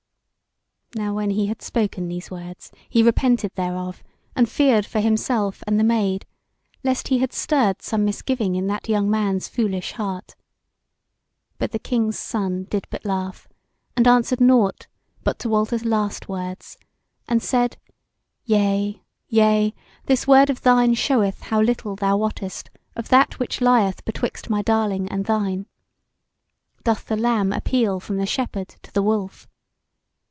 Now when he had spoken these words, he repented thereof, and feared for himself and the Maid, lest he had stirred some misgiving in that young man's foolish heart. But the King's Son did but laugh, and answered nought but to Walter's last words, and said: "Yea, yea! this word of thine showeth how little thou wottest of that which lieth betwixt my darling and thine. Doth the lamb appeal from the shepherd to the wolf?